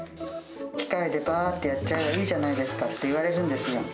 機械でばーってやっちゃえばいいじゃないですかって言われるんですよ。